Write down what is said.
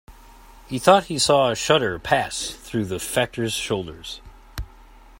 He thought he saw a shudder pass through the Factor's shoulders.